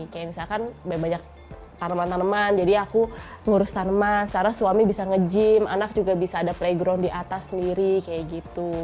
kayak misalkan banyak tanaman tanaman jadi aku ngurus tanaman karena suami bisa nge gym anak juga bisa ada playground di atas sendiri kayak gitu